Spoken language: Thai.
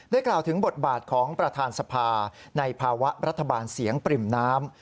กล่าวถึงบทบาทของประธานสภาในภาวะรัฐบาลเสียงปริ่มน้ำ